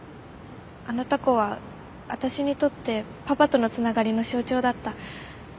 あのタコは私にとってパパとの繋がりの象徴だった。